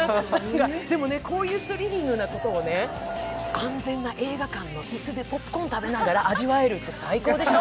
でもね、こういうスリリングなことを安全な映画館の椅子でポップコーン食べながら味わうって最高でしょ？